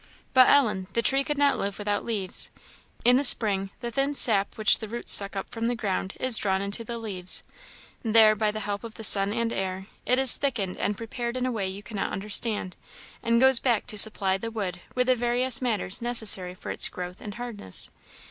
But, Ellen, the tree could not live without leaves. In the spring, the thin sap which the roots suck up from the ground is drawn into the leaves; there, by the help of the sun and air, it is thickened and prepared in a way you cannot understand, and goes back to supply the wood with the various matters necessary for its growth and hardness.